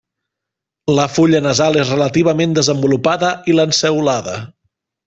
La fulla nasal és relativament desenvolupada i lanceolada.